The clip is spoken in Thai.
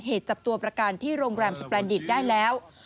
จับตัวประกันที่โรงแรมสแปลนดิตได้แล้ว